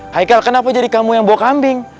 haikal kenapa jadi kamu yang bawa kambing